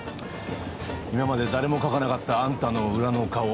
今まで誰も書かなかったあんたの裏の顔